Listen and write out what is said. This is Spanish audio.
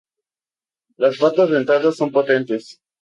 Las patas dentadas son potentes.